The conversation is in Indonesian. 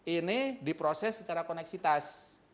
ini diproses secara koneksitas